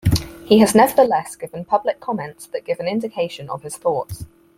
He has nevertheless given public comments that give an indication of his thoughts.